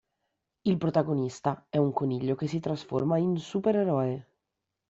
Il protagonista è un coniglio che si trasforma in supereroe.